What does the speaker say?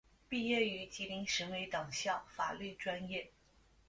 毕业于吉林省委党校法律专业。